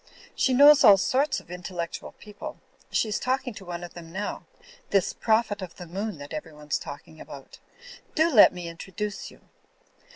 She knows all sorts of intellectual people. She is talking to one of them now ; this Prophet of the Moon that everyone's talking about. Do let me introduce you."